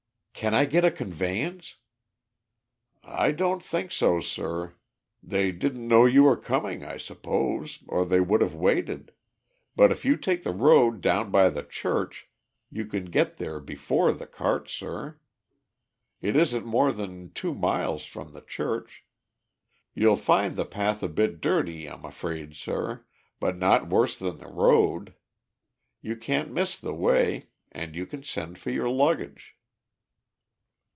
"Can I get a conveyance?" "I don't think so, sir. They didn't know you were coming, I suppose, or they would have waited; but if you take the road down by the church, you can get there before the cart, sir. It isn't more than two miles from the church. You'll find the path a bit dirty, I'm afraid, sir, but not worse than the road. You can't miss the way, and you can send for your luggage."